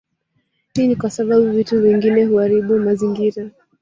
Hii ni kwa sababu vitu vingine huaribu mazingira